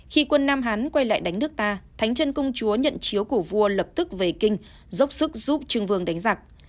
khi quân nam hán quay lại đánh nước ta thánh chân công chúa nhận chiếu của vua lập tức về kinh dốc sức giúp trương vương đánh giặc